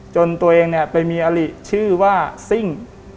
ตัวเองเนี่ยไปมีอลิชื่อว่าซิ่ง